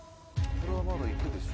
「これはまだいくでしょ」